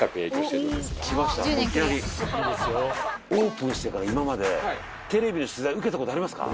ここはもうオープンしてから今までテレビの取材受けた事ありますか？